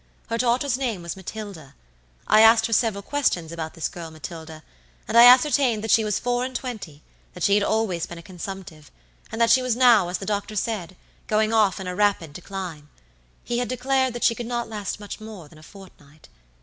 Her daughter's name was Matilda. I asked her several questions about this girl Matilda, and I ascertained that she was four and twenty, that she had always been consumptive, and that she was now, as the doctor said, going off in a rapid decline. He had declared that she could not last much more than a fortnight.